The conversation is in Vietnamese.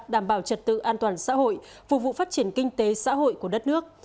đảm bảo trật tự an toàn xã hội phục vụ phát triển kinh tế xã hội của đất nước